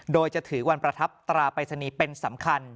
โดยจะถือวันประทับตราปริศนีย์เป็นสำคัญ